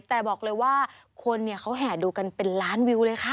แต่บอกเลยว่าคนเขาแห่ดูกันเป็นล้านวิวเลยค่ะ